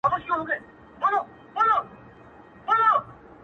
دا حلال به لا تر څو پر موږ حرام وي,